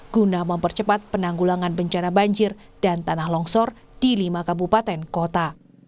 guna mempercepat penanggulangan bencana banjir dan tanah longsor di lima kabupaten kota